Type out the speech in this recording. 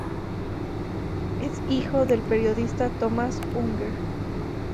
Es hijo del periodista Tomás Unger.